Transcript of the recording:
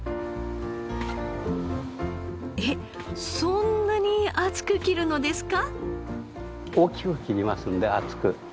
えっそんなに厚く切るのですか？